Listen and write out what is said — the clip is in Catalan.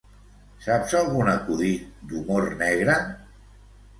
Saps algun acudit d'humor negre?